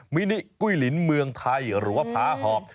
มินิกุ้ยลินเมืองไทยหรือว่าพาหอบ